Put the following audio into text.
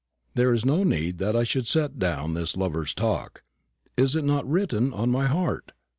There is no need that I should set down this lovers' talk. Is it not written on my heart?